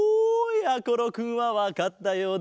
やころくんはわかったようだぞ。